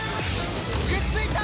くっついた！